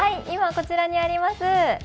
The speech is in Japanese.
今こちらにあります。